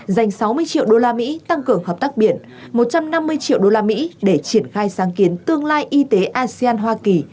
dành sáu mươi triệu đô la mỹ tăng cường hợp tác biển một trăm năm mươi triệu đô la mỹ để triển khai sáng kiến tương lai y tế asean hoa kỳ